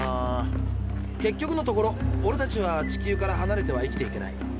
結局のところオレたちは地球からはなれては生きていけない。